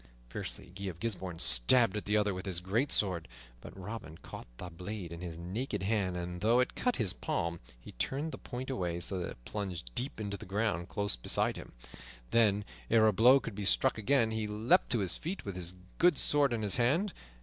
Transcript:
Fiercely Guy of Gisbourne stabbed at the other with his great sword, but Robin caught the blade in his naked hand, and, though it cut his palm, he turned the point away so that it plunged deep into the ground close beside him; then, ere a blow could be struck again, he leaped to his feet, with his good sword in his hand.